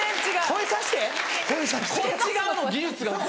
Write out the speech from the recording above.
こっち側も技術が。